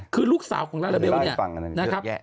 คือลูกสาวของลาลาเบลเนี่ย